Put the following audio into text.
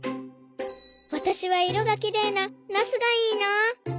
わたしはいろがきれいなナスがいいな。